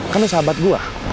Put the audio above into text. kan lu sahabat gua